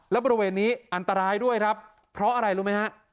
และบริเวณนี้อันตรายด้วยครับเพราะอะไรรู้ไหมฮะ